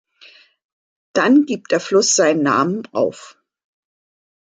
Dann gibt der Fluss seinen Namen auf.